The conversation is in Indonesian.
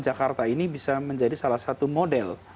jakarta ini bisa menjadi salah satu model